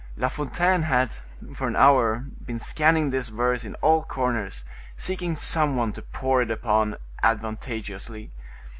La Fontaine had, for an hour, been scanning this verse in all corners, seeking some one to pour it out upon advantageously.